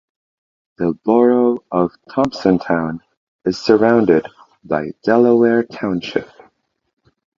The borough of Thompsontown is surrounded by Delaware Township.